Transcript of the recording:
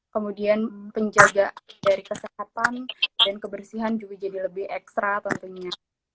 kemudian penjaga dari kesehatan dan kebersihan juga jadi lebih ekstra tentunya